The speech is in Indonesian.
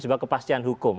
sebab kepastian hukum